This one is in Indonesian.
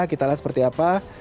kita lihat seperti apa